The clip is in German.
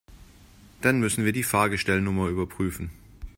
Dann müssen wir die Fahrgestellnummer überprüfen.